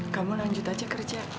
kamu lanjut aja kerja